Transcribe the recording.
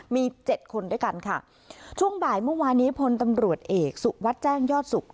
มีเจ็ดคนด้วยกันค่ะช่วงบ่ายเมื่อวานนี้พลตำรวจเอกสุวัสดิ์แจ้งยอดสุข